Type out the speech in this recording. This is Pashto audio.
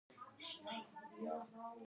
دا د پیسو د ارزښت ساتلو سبب کیږي.